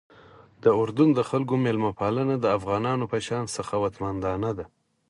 د اردن د خلکو میلمه پالنه د افغانانو په شان سخاوتمندانه ده.